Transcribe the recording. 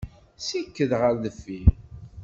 Sikked ɣer deffir!